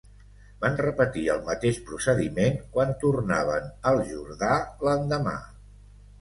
Van repetir el mateix procediment quan tornaven al Jordà l'endemà.